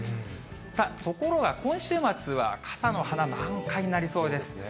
さあ、ところが今週末は、傘の花が満開になりそうです。